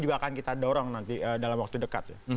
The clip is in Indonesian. juga akan kita dorong nanti dalam waktu dekat